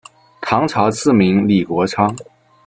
唐朝赐名李国昌。